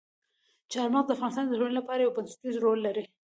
چار مغز د افغانستان د ټولنې لپاره یو بنسټيز رول لري.